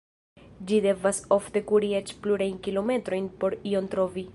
Ĝi devas ofte kuri eĉ plurajn kilometrojn por ion trovi.